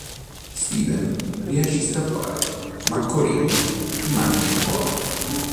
Steven riesce a scappare, ma Corinne rimane intrappolata.